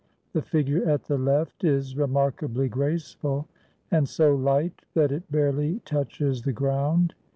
The figure at the left is remarkably graceful, and so light that it barely touches the ground.